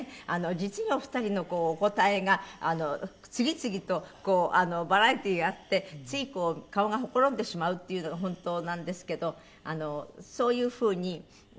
実にお二人のお答えが次々とバラエティーあってついこう顔がほころんでしまうっていうのが本当なんですけどそういう風になんですか？